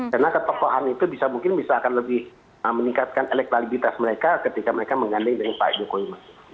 karena ketokohan itu bisa mungkin bisa akan lebih meningkatkan elektrolibitas mereka ketika mereka menggandeng dengan pak jokowi maruf